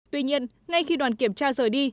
tuy nhiên ngay khi đoàn kiểm tra rời đi